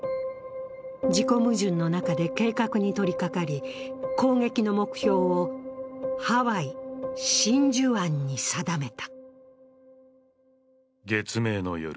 自己矛盾の中で計画に取りかかり、攻撃の目標をハワイ・真珠湾に定めた。